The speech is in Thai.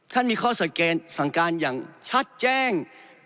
มีข้อสังเกตสั่งการอย่างชัดแจ้ง